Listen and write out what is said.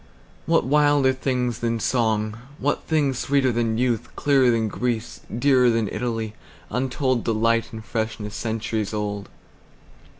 What wilder things than song, what thingsSweeter than youth, clearer than Greece, Dearer than Italy, untoldDelight, and freshness centuries old?